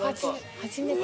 初めて。